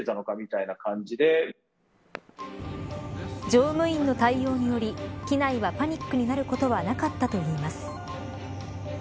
乗務員の対応により機内はパニックになることはなかったといいます。